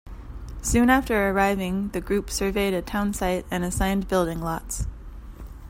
Soon after arriving, the group surveyed a townsite and assigned building lots.